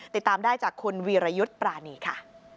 ติดตามได้จากคุณวีรยุทธ์ปรานีค่ะ